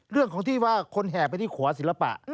เรื่องของที่ว่าคนแห่ไปที่ขวาศิลปะ